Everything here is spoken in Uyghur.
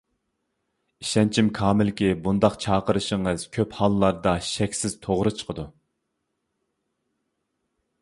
ئىشەنچىم كامىلكى بۇنداق چاقىرىشىڭىز كۆپ ھاللاردا شەكسىز توغرا چىقىدۇ.